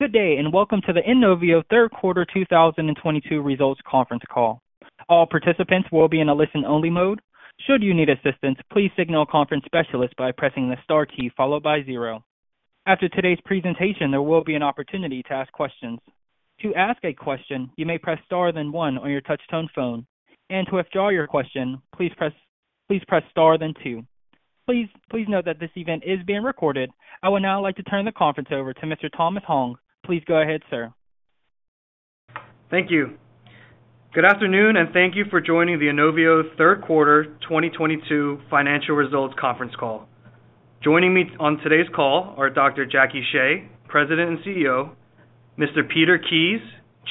Good day, and welcome to the Inovio third quarter 2022 results conference call. All participants will be in a listen-only mode. Should you need assistance, please signal a conference specialist by pressing the star key followed by zero. After today's presentation, there will be an opportunity to ask questions. To ask a question, you may press star then one on your touch-tone phone. To withdraw your question, please press star then two. Please note that this event is being recorded. I would now like to turn the conference over to Mr. Thomas Hong. Please go ahead, sir. Thank you. Good afternoon, and thank you for joining the Inovio third quarter 2022 financial results conference call. Joining me on today's call are Dr. Jacqueline Shea, President and CEO, Mr. Peter Kies,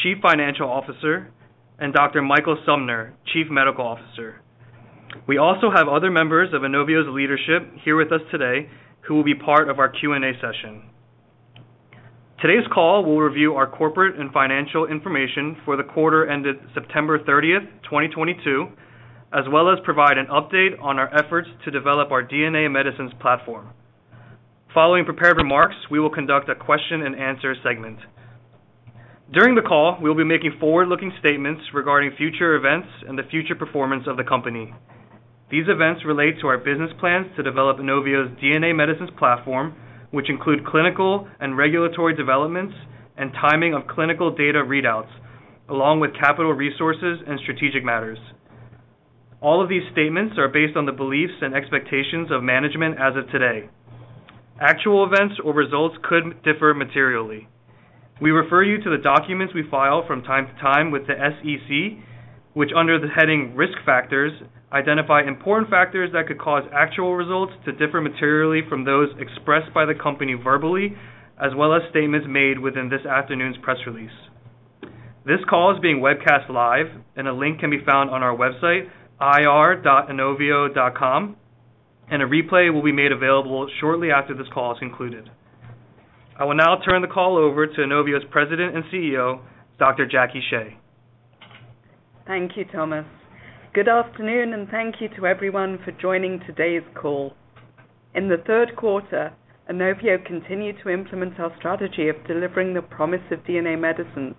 Chief Financial Officer, and Dr. Michael Sumner, Chief Medical Officer. We also have other members of Inovio's leadership here with us today who will be part of our Q&A session. Today's call will review our corporate and financial information for the quarter ended September 30, 2022, as well as provide an update on our efforts to develop our DNA medicines platform. Following prepared remarks, we will conduct a question and answer segment. During the call, we'll be making forward-looking statements regarding future events and the future performance of the company. These events relate to our business plans to develop Inovio's DNA medicines platform, which include clinical and regulatory developments and timing of clinical data readouts, along with capital resources and strategic matters. All of these statements are based on the beliefs and expectations of management as of today. Actual events or results could differ materially. We refer you to the documents we file from time to time with the SEC, which, under the heading Risk Factors, identify important factors that could cause actual results to differ materially from those expressed by the company verbally, as well as statements made within this afternoon's press release. This call is being webcast live and a link can be found on our website, ir.inovio.com, and a replay will be made available shortly after this call is concluded. I will now turn the call over to Inovio's President and CEO, Dr. Jacqueline Shea. Thank you, Thomas. Good afternoon, and thank you to everyone for joining today's call. In the third quarter, Inovio continued to implement our strategy of delivering the promise of DNA medicine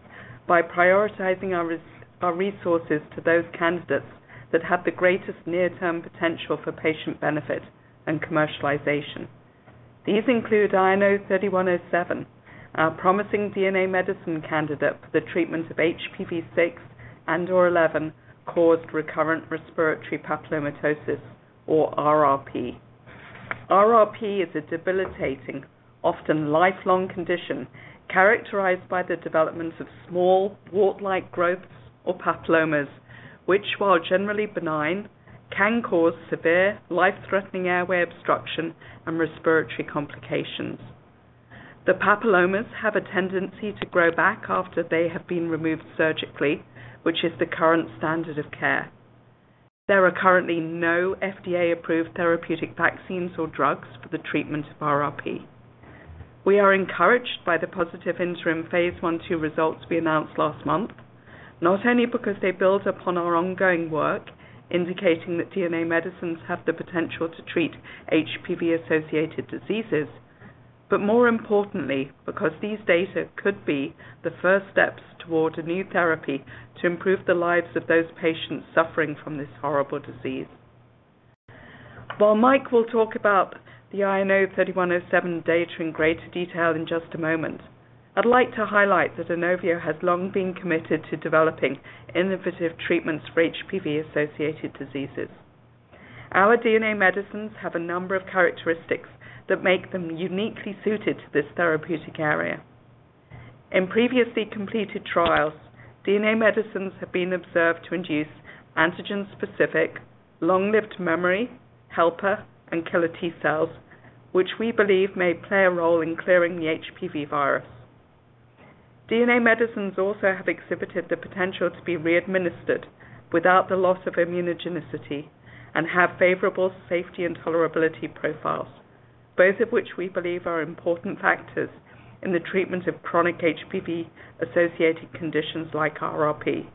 by prioritizing our resources to those candidates that have the greatest near-term potential for patient benefit and commercialization. These include INO-3107, our promising DNA medicine candidate for the treatment of HPV 6 and/or 11 caused recurrent respiratory papillomatosis or RRP. RRP is a debilitating, often lifelong condition characterized by the development of small wart-like growths or papillomas, which while generally benign, can cause severe life-threatening airway obstruction and respiratory complications. The papillomas have a tendency to grow back after they have been removed surgically, which is the current standard of care. There are currently no FDA-approved therapeutic vaccines or drugs for the treatment of RRP. We are encouraged by the positive interim phase I/II results we announced last month, not only because they build upon our ongoing work indicating that DNA medicines have the potential to treat HPV-associated diseases, but more importantly, because these data could be the first steps toward a new therapy to improve the lives of those patients suffering from this horrible disease. While Mike will talk about the INO-3107 data in greater detail in just a moment, I'd like to highlight that Inovio has long been committed to developing innovative treatments for HPV-associated diseases. Our DNA medicines have a number of characteristics that make them uniquely suited to this therapeutic area. In previously completed trials, DNA medicines have been observed to induce antigen-specific, long-lived memory, helper, and killer T cells, which we believe may play a role in clearing the HPV virus. DNA medicines also have exhibited the potential to be readministered without the loss of immunogenicity and have favorable safety and tolerability profiles, both of which we believe are important factors in the treatment of chronic HPV-associated conditions like RRP.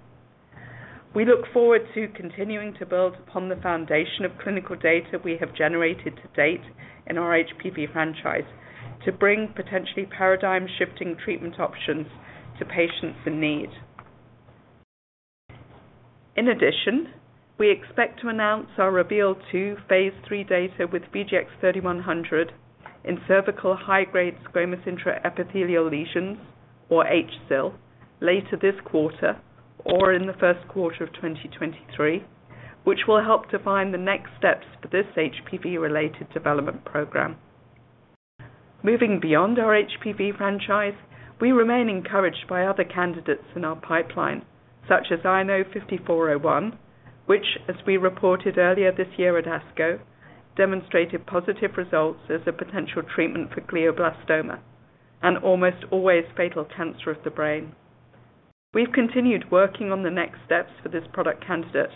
We look forward to continuing to build upon the foundation of clinical data we have generated to date in our HPV franchise to bring potentially paradigm-shifting treatment options to patients in need. In addition, we expect to announce our REVEAL 2 phase 3 data with VGX-3100 in cervical high-grade squamous intraepithelial lesions or HSIL later this quarter or in the first quarter of 2023, which will help define the next steps for this HPV-related development program. Moving beyond our HPV franchise, we remain encouraged by other candidates in our pipeline, such as INO-5401, which, as we reported earlier this year at ASCO, demonstrated positive results as a potential treatment for glioblastoma, an almost always fatal cancer of the brain. We've continued working on the next steps for this product candidate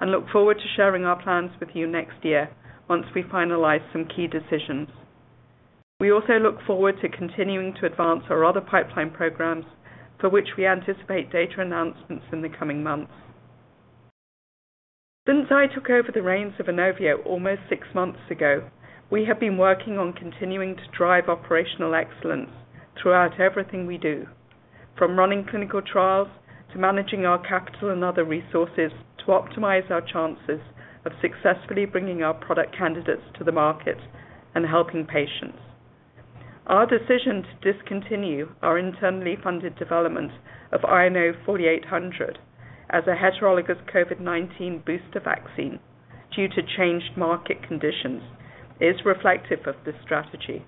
and look forward to sharing our plans with you next year once we finalize some key decisions. We also look forward to continuing to advance our other pipeline programs for which we anticipate data announcements in the coming months. Since I took over the reins of Inovio almost six months ago, we have been working on continuing to drive operational excellence throughout everything we do, from running clinical trials to managing our capital and other resources to optimize our chances of successfully bringing our product candidates to the market and helping patients. Our decision to discontinue our internally funded development of INO-4800 as a heterologous COVID-19 booster vaccine due to changed market conditions is reflective of this strategy.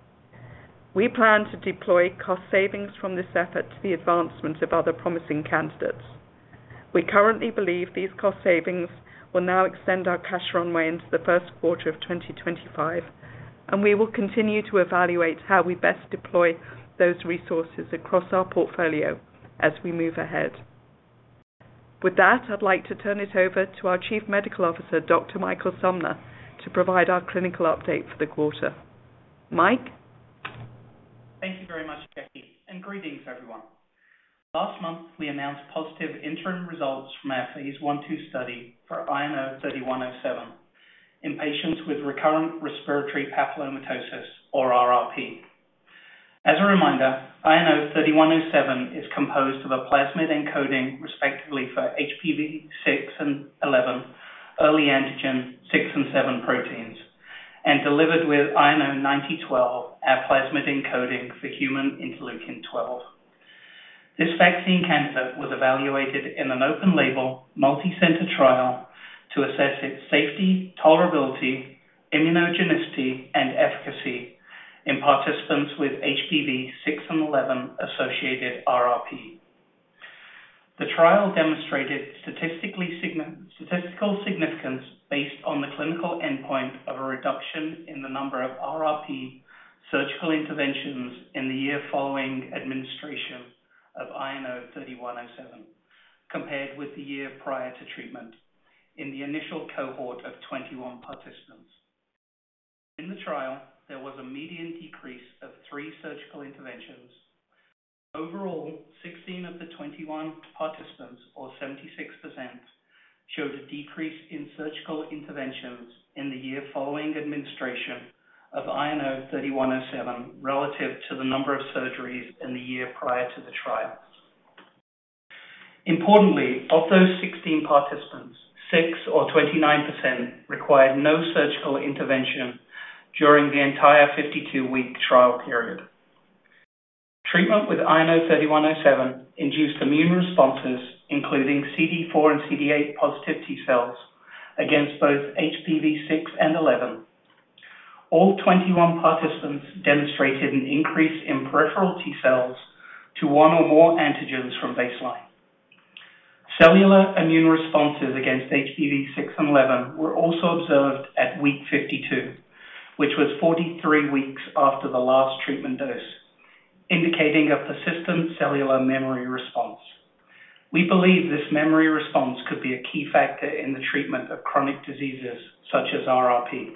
We plan to deploy cost savings from this effort to the advancement of other promising candidates. We currently believe these cost savings will now extend our cash runway into the first quarter of 2025, and we will continue to evaluate how we best deploy those resources across our portfolio as we move ahead. With that, I'd like to turn it over to our Chief Medical Officer, Dr. Michael Sumner, to provide our clinical update for the quarter. Mike? Thank you very much, Jackie, and greetings, everyone. Last month, we announced positive interim results from our phase 1/2 study for INO-3107 in patients with recurrent respiratory papillomatosis, or RRP. As a reminder, INO-3107 is composed of a plasmid encoding, respectively for HPV-6 and 11 early antigen 6 and 7 proteins, and delivered with INO-9012, a plasmid encoding for human interleukin-12. This vaccine candidate was evaluated in an open-label, multi-center trial to assess its safety, tolerability, immunogenicity, and efficacy in participants with HPV-6 and 11-associated RRP. The trial demonstrated statistical significance based on the clinical endpoint of a reduction in the number of RRP surgical interventions in the year following administration of INO-3107 compared with the year prior to treatment in the initial cohort of 21 participants. In the trial, there was a median decrease of 3 surgical interventions. Overall, 16 of the 21 participants, or 76%, showed a decrease in surgical interventions in the year following administration of INO-3107 relative to the number of surgeries in the year prior to the trial. Importantly, of those 16 participants, 6 or 29%, required no surgical intervention during the entire 52 week trial period. Treatment with INO-3107 induced immune responses, including CD4 and CD8 positive T-cells against both HPV-6 and HPV-11. All 21 participants demonstrated an increase in peripheral T-cells to one or more antigens from baseline. Cellular immune responses against HPV-6 and HPV-11 were also observed at week 52, which was 43 weeks after the last treatment dose, indicating a persistent cellular memory response. We believe this memory response could be a key factor in the treatment of chronic diseases such as RRP.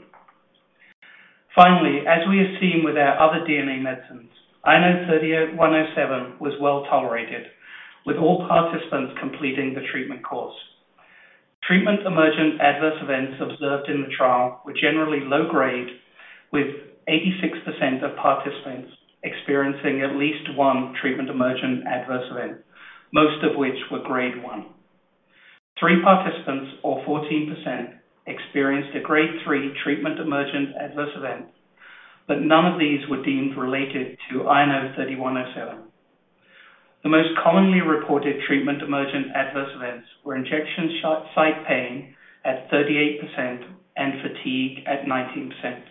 Finally, as we have seen with our other DNA medicines, INO-3107 was well tolerated, with all participants completing the treatment course. Treatment emergent adverse events observed in the trial were generally low grade, with 86% of participants experiencing at least one treatment emergent adverse event, most of which were grade one. 3 participants, or 14%, experienced a grade three treatment emergent adverse event, but none of these were deemed related to INO-3107. The most commonly reported treatment emergent adverse events were injection shot site pain at 38% and fatigue at 19%.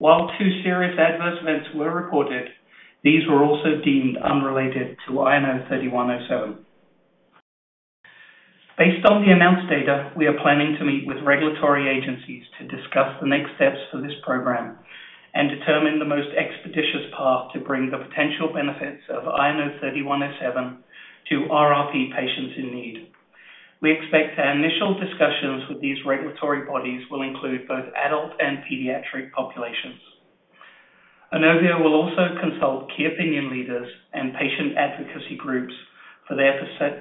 While 2 serious adverse events were reported, these were also deemed unrelated to INO-3107. Based on the announced data, we are planning to meet with regulatory agencies to discuss the next steps for this program and determine the most expeditious path to bring the potential benefits of INO-3107 to RRP patients in need. We expect our initial discussions with these regulatory bodies will include both adult and pediatric populations. Inovio will also consult key opinion leaders and patient advocacy groups for their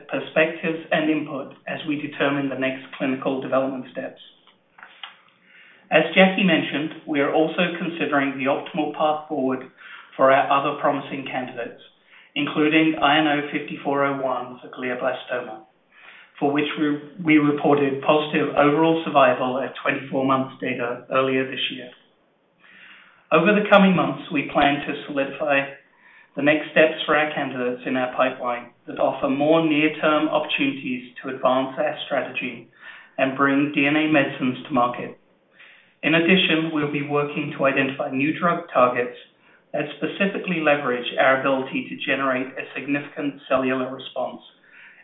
perspectives and input as we determine the next clinical development steps. As Jackie mentioned, we are also considering the optimal path forward for our other promising candidates, including INO-5401 for glioblastoma, for which we reported positive overall survival at 24 months data earlier this year. Over the coming months, we plan to solidify the next steps for our candidates in our pipeline that offer more near-term opportunities to advance our strategy and bring DNA medicines to market. In addition, we'll be working to identify new drug targets that specifically leverage our ability to generate a significant cellular response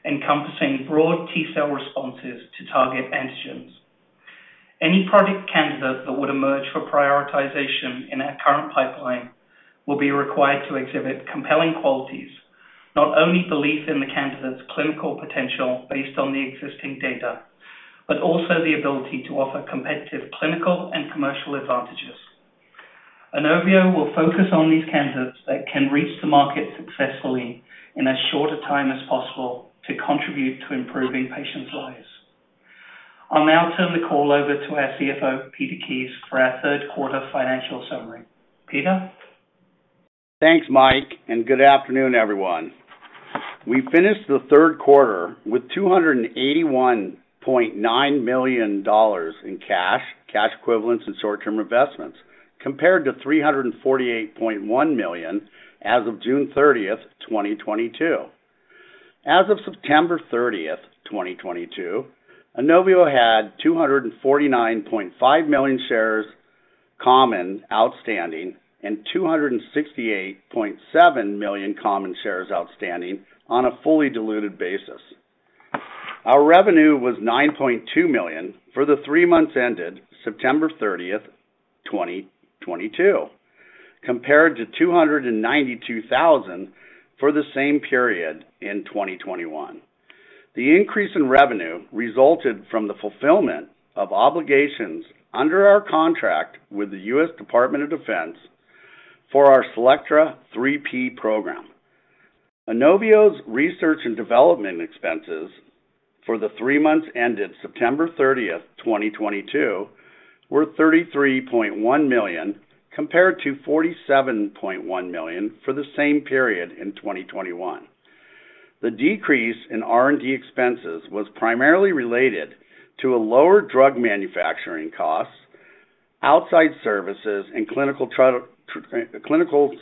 encompassing broad T-cell responses to target antigens. Any product candidate that would emerge for prioritization in our current pipeline will be required to exhibit compelling qualities, not only belief in the candidate's clinical potential based on the existing data, but also the ability to offer competitive clinical and commercial advantages. Inovio will focus on these candidates that can reach the market successfully in as short a time as possible to contribute to improving patients' lives. I'll now turn the call over to our CFO, Peter Kies, for our third quarter financial summary. Peter? Thanks, Mike, and good afternoon, everyone. We finished the third quarter with $281.9 million in cash equivalents, and short-term investments, compared to $348.1 million as of June 30, 2022. As of September 30, 2022, Inovio had 249.5 million common shares outstanding and 268.7 million common shares outstanding on a fully diluted basis. Our revenue was $9.2 million for the three months ended September 30, 2022, compared to $292,000 for the same period in 2021. The increase in revenue resulted from the fulfillment of obligations under our contract with the U.S. Department of Defense for our CELLECTRA 3P program. Inovio's research and development expenses for the three months ended September 30, 2022, were $33.1 million, compared to $47.1 million for the same period in 2021. The decrease in R&D expenses was primarily related to a lower drug manufacturing cost, outside services, and clinical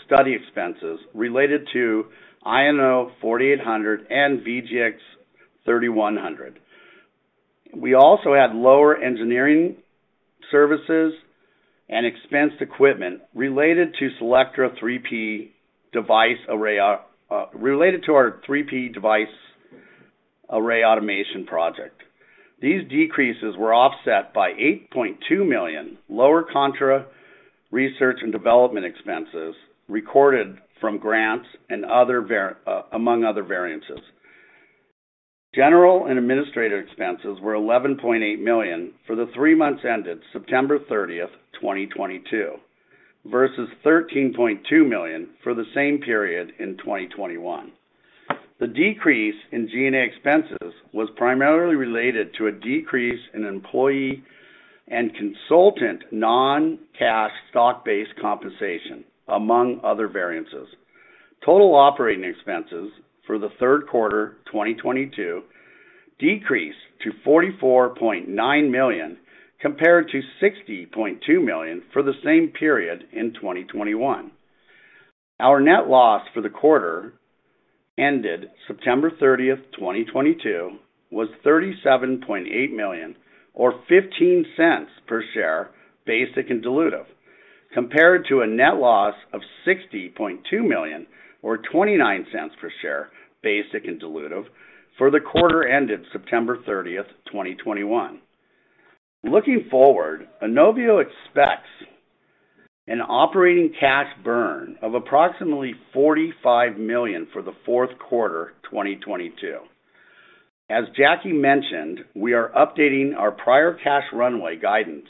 study expenses related to INO-4800 and VGX-3100. We also had lower engineering services and expensed equipment related to CELLECTRA 3P device array related to our 3P device array automation project. These decreases were offset by $8.2 million lower contra research and development expenses recorded from grants and other, among other variances. General and administrative expenses were $11.8 million for the three months ended September 30, 2022, versus $13.2 million for the same period in 2021. The decrease in G&A expenses was primarily related to a decrease in employee and consultant non-cash stock-based compensation, among other variances. Total operating expenses for the third quarter 2022 decreased to $44.9 million, compared to $60.2 million for the same period in 2021. Our net loss for the quarter ended September 30, 2022, was $37.8 million or $0.15 per share basic and dilutive, compared to a net loss of $60.2 million or $0.29 per share basic and dilutive for the quarter ended September 30, 2021. Looking forward, Inovio expects an operating cash burn of approximately $45 million for the fourth quarter 2022. As Jackie mentioned, we are updating our prior cash runway guidance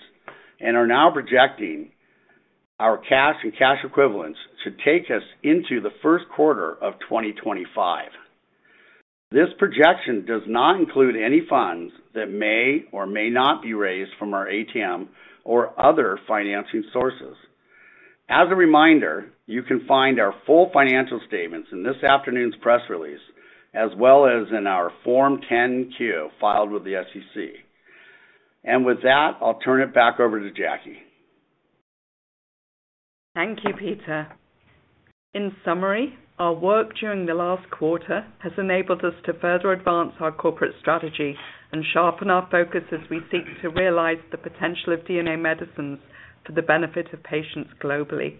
and are now projecting our cash and cash equivalents should take us into the first quarter of 2025. This projection does not include any funds that may or may not be raised from our ATM or other financing sources. As a reminder, you can find our full financial statements in this afternoon's press release as well as in our Form 10-Q filed with the SEC. With that, I'll turn it back over to Jackie. Thank you, Peter. In summary, our work during the last quarter has enabled us to further advance our corporate strategy and sharpen our focus as we seek to realize the potential of DNA medicines for the benefit of patients globally.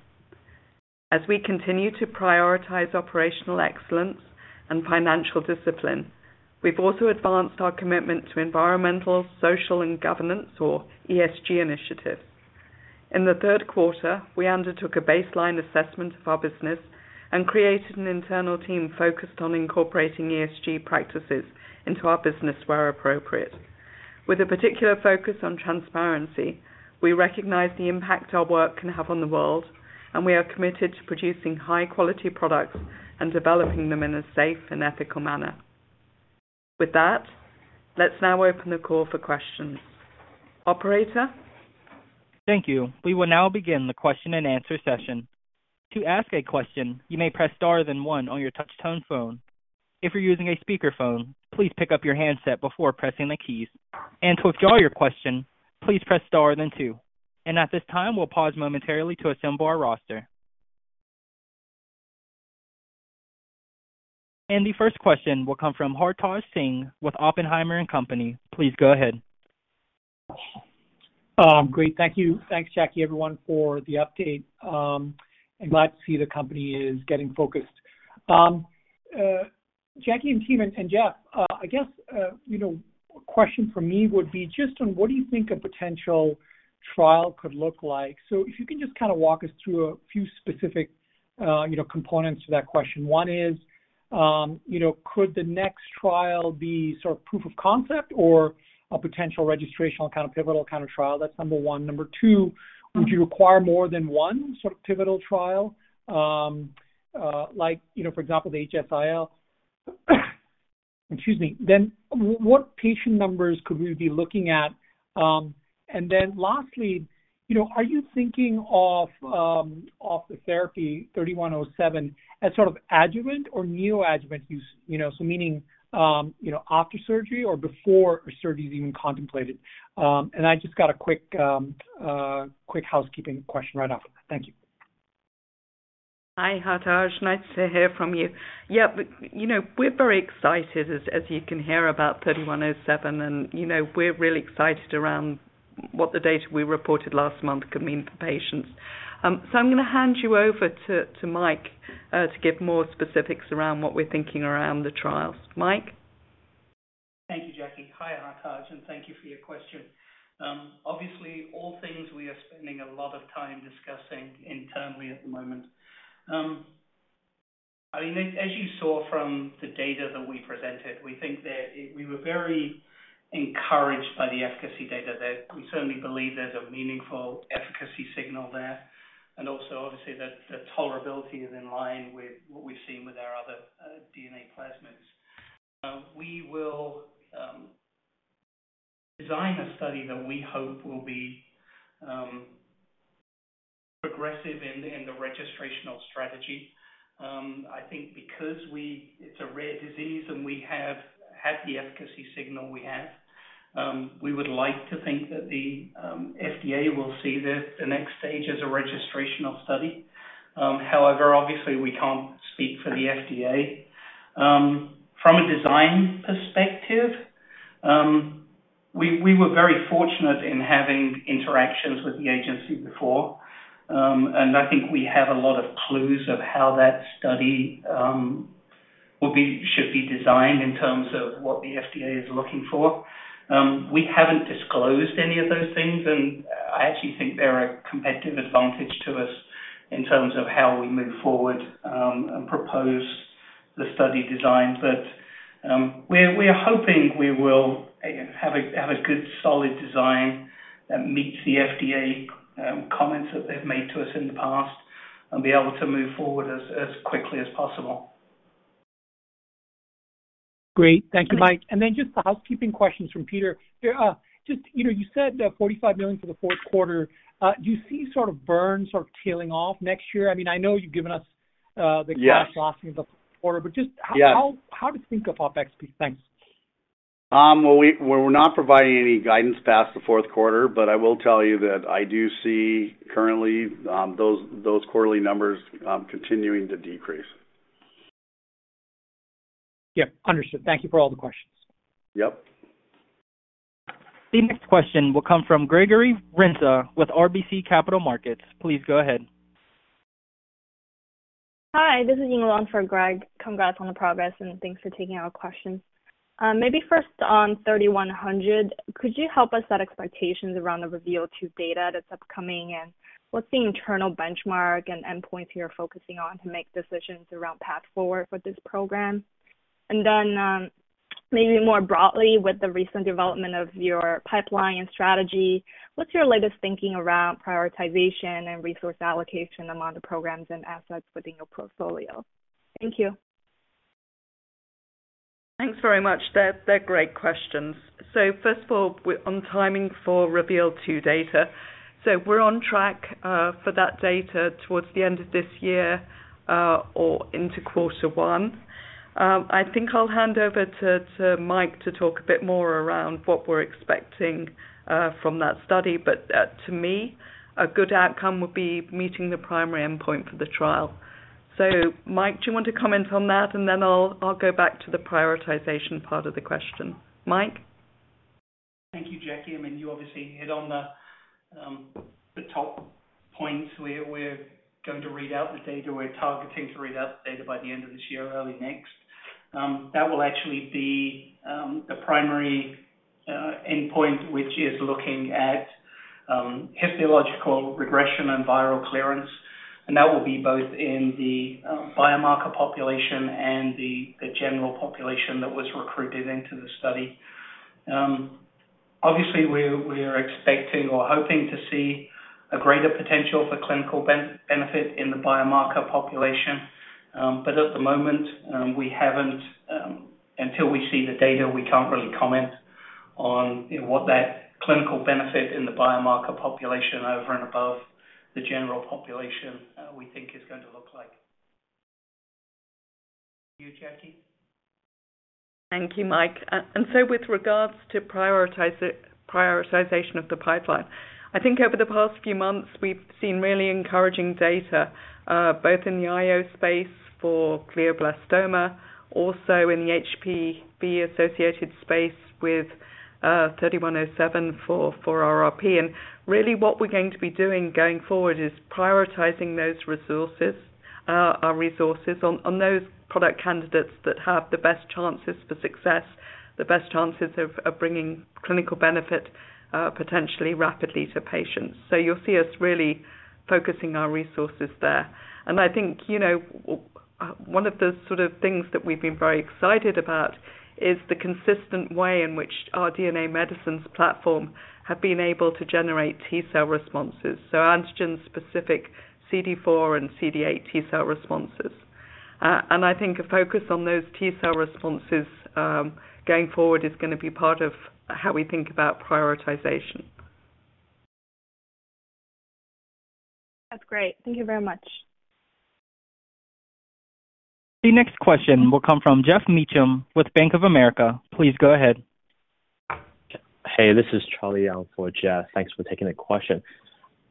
As we continue to prioritize operational excellence and financial discipline, we've also advanced our commitment to environmental, social, and governance or ESG initiatives. In the third quarter, we undertook a baseline assessment of our business and created an internal team focused on incorporating ESG practices into our business where appropriate. With a particular focus on transparency, we recognize the impact our work can have on the world, and we are committed to producing high-quality products and developing them in a safe and ethical manner. With that, let's now open the call for questions. Operator? Thank you. We will now begin the question and answer session. To ask a question, you may press star then one on your touch-tone phone. If you're using a speakerphone, please pick up your handset before pressing the keys. To withdraw your question, please press star then two. At this time, we'll pause momentarily to assemble our roster. The first question will come from Hartaj Singh with Oppenheimer & Co. Please go ahead. Great. Thank you. Thanks Jackie, everyone, for the update. I'm glad to see the company is getting focused. Jackie and team and Jeff, I guess, you know, a question from me would be just on what do you think a potential trial could look like? So if you can just kinda walk us through a few specific, you know, components to that question. One is, you know, could the next trial be sort of proof of concept or a potential registrational kind of pivotal kind of trial? That's number one. Number two, would you require more than one sort of pivotal trial, like, you know, for example, the HSIL? Excuse me. Then what patient numbers could we be looking at? Lastly, you know, are you thinking of the therapy INO-3107 as sort of adjuvant or neoadjuvant use, you know? Meaning, you know, after surgery or before surgery is even contemplated. I just have a quick housekeeping question right after. Thank you. Hi, Hartaj. Nice to hear from you. Yeah, you know, we're very excited as you can hear about INO-3107 and, you know, we're really excited around what the data we reported last month could mean for patients. I'm gonna hand you over to Mike to give more specifics around what we're thinking around the trials. Mike? Thank you, Jackie. Hi, Hartaj, and thank you for your question. Obviously, all things we are spending a lot of time discussing internally at the moment. I mean, as you saw from the data that we presented, we think that we were very encouraged by the efficacy data that we certainly believe there's a meaningful efficacy signal there and also obviously that the tolerability is in line with what we've seen with our other DNA plasmids. We will design a study that we hope will be progressive in the registrational strategy. I think because it's a rare disease and we have had the efficacy signal we have, we would like to think that the FDA will see the next stage as a registrational study. However, obviously, we can't speak for the FDA. From a design perspective, we were very fortunate in having interactions with the agency before. I think we have a lot of clues of how that study should be designed in terms of what the FDA is looking for. We haven't disclosed any of those things, and I actually think they're a competitive advantage to us in terms of how we move forward and propose the study design. We're hoping we will have a good solid design that meets the FDA comments that they've made to us in the past and be able to move forward as quickly as possible. Great. Thank you, Mike. Just the housekeeping questions from Peter. There are, you know, you said $45 million for the fourth quarter. Do you see sort of burn sort of tailing off next year? I mean, I know you've given us. Yes. The cash loss in the fourth quarter. Yes. Just how to think of OpEx FY? Thanks. Well, we're not providing any guidance past the fourth quarter, but I will tell you that I do see currently those quarterly numbers continuing to decrease. Yeah. Understood. Thank you for all the questions. Yep. The next question will come from Gregory Renza with RBC Capital Markets. Please go ahead. Hi, this is Ying Long for Greg. Congrats on the progress, and thanks for taking our questions. Maybe first on VGX-3100, could you help us set expectations around the REVEAL 2 data that's upcoming? What's the internal benchmark and endpoints you're focusing on to make decisions around path forward with this program? Maybe more broadly with the recent development of your pipeline and strategy, what's your latest thinking around prioritization and resource allocation among the programs and assets within your portfolio? Thank you. Thanks very much. They're great questions. First of all, on timing for REVEAL 2 data. We're on track for that data towards the end of this year or into quarter one. I think I'll hand over to Mike to talk a bit more around what we're expecting from that study. To me, a good outcome would be meeting the primary endpoint for the trial. Mike, do you want to comment on that, and then I'll go back to the prioritization part of the question. Mike? Thank you, Jackie. I mean, you obviously hit on the top points. We're going to read out the data. We're targeting to read out the data by the end of this year or early next. That will actually be the primary endpoint, which is looking at histological regression and viral clearance, and that will be both in the biomarker population and the general population that was recruited into the study. Obviously, we're expecting or hoping to see a greater potential for clinical benefit in the biomarker population. At the moment, we haven't until we see the data, we can't really comment on, you know, what that clinical benefit in the biomarker population over and above the general population, we think is going to look like. To you, Jackie. Thank you, Mike. With regards to prioritization of the pipeline, I think over the past few months, we've seen really encouraging data, both in the IO space for glioblastoma, also in the HPV-associated space with INO-3107 for RRP. Really what we're going to be doing going forward is prioritizing those resources, our resources on those product candidates that have the best chances for success, of bringing clinical benefit, potentially rapidly to patients. You'll see us really focusing our resources there. I think, you know, one of the sort of things that we've been very excited about is the consistent way in which our DNA medicines platform have been able to generate T-cell responses. So antigen-specific CD4 and CD8 T-cell responses. I think a focus on those T-cell responses, going forward is gonna be part of how we think about prioritization. That's great. Thank you very much. The next question will come from Jeff Meacham with Bank of America. Please go ahead. Hey, this is Charlie out for Jeff. Thanks for taking the question.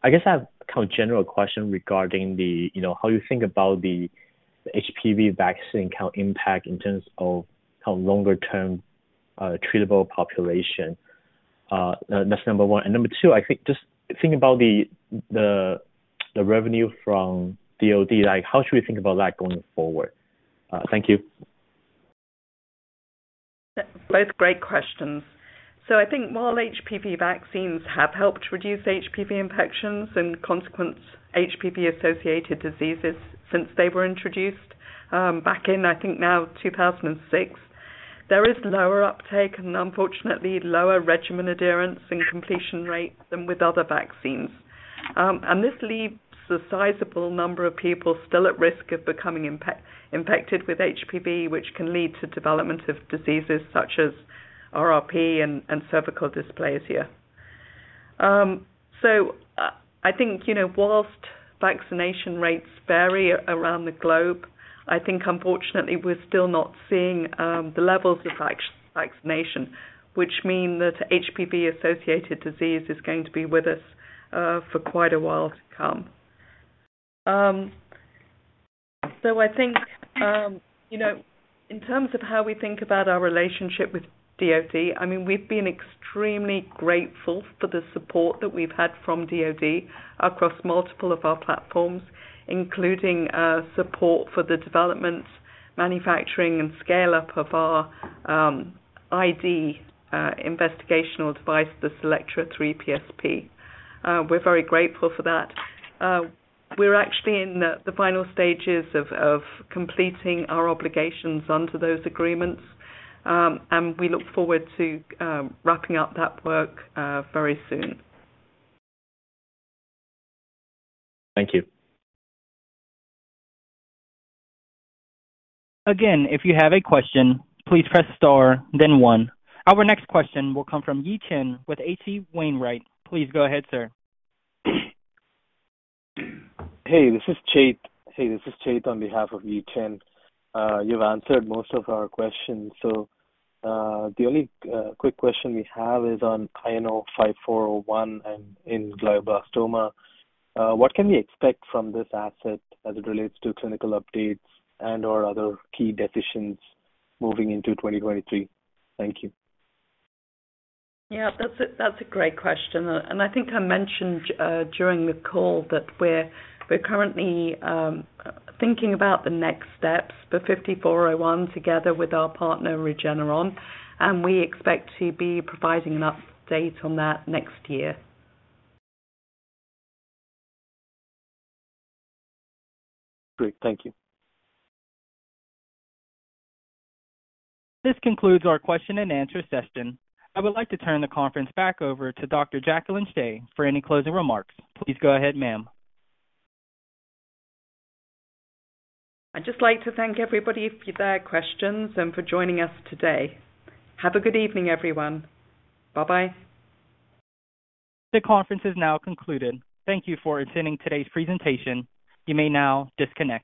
I guess I have kind of a general question regarding the, you know, how you think about the HPV vaccine can impact in terms of kind of longer term treatable population. That's number one. Number two, I think just think about the revenue from DoD. Like how should we think about that going forward? Thank you. Both great questions. I think while HPV vaccines have helped reduce HPV infections and consequent HPV-associated diseases since they were introduced back in, I think now 2006, there is lower uptake and unfortunately lower regimen adherence and completion rates than with other vaccines. This leaves a sizable number of people still at risk of becoming infected with HPV, which can lead to development of diseases such as RRP and cervical dysplasia. I think, you know, while vaccination rates vary around the globe, I think unfortunately we're still not seeing the levels of vaccination, which mean that HPV-associated disease is going to be with us for quite a while to come. I think, you know, in terms of how we think about our relationship with DoD, I mean, we've been extremely grateful for the support that we've had from DoD across multiple of our platforms, including support for the development, manufacturing, and scale-up of our intradermal investigational device, the CELLECTRA 3PSP. We're very grateful for that. We're actually in the final stages of completing our obligations under those agreements, and we look forward to wrapping up that work very soon. Thank you. Again, if you have a question, please press star then one. Our next question will come from Yi-Chin with H.C. Wainwright. Please go ahead, sir. Hey, this is Chait. Hey, this is Chait on behalf of Yi-Chin. You've answered most of our questions, so the only quick question we have is on INO-5401 and in glioblastoma. What can we expect from this asset as it relates to clinical updates and/or other key decisions moving into 2023? Thank you. Yeah, that's a great question. I think I mentioned during the call that we're currently thinking about the next steps for INO-5401 together with our partner, Regeneron, and we expect to be providing an update on that next year. Great. Thank you. This concludes our question and answer session. I would like to turn the conference back over to Dr. Jacqueline Shea for any closing remarks. Please go ahead, ma'am. I'd just like to thank everybody for their questions and for joining us today. Have a good evening, everyone. Bye-bye. The conference is now concluded. Thank you for attending today's presentation. You may now disconnect.